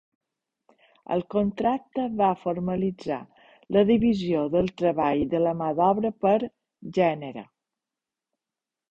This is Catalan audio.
El contracte va formalitzar la divisió de treball de la mà d'obra per gènere.